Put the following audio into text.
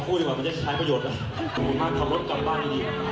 ขอบคุณมากขับรถกลับบ้านดี